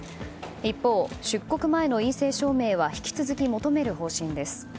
一方、出国前の陰性証明は引き続き求める方針です。